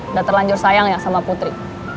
udah terlanjur sayang ya sama putri